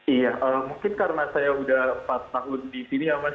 iya mungkin karena saya sudah empat tahun di sini ya mas